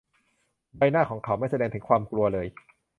ใบหน้าของเขาไม่แสดงถึงความกลัวเลย